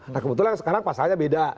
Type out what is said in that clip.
nah kebetulan sekarang pasalnya beda